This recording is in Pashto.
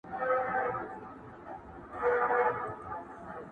ورځ تیاره سوه توري وریځي سوې څرګندي!!